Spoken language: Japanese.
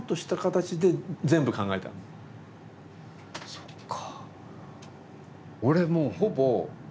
そっか。